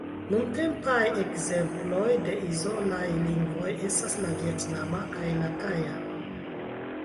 Nuntempaj ekzemploj de izolaj lingvoj estas la vjetnama kaj la taja.